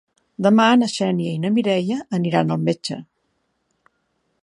Demà na Xènia i na Mireia aniran al metge.